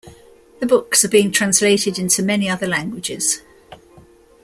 The books are being translated into many other languages.